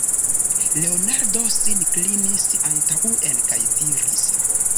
Leonardo sin klinis antaŭen kaj diris: